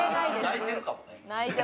泣いてるかもね。